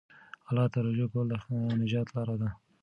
الله ته رجوع کول د نجات لاره ده.